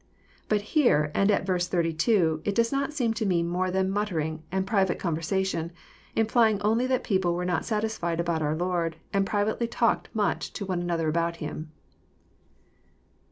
But here, and at ver. 82, it does not seem to mean more than muttering, and private conversation, implying only that people were not satisfied about our Lord, and privately talked much to one another about Him.